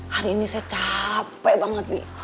hari ini saya capek banget bu